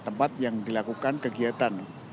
tempat yang dilakukan kegiatan